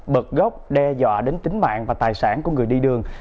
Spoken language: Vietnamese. bật gốc đe dọa đến tính mạng và tài sản của người đi đường